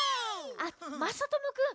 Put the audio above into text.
あっまさともくん。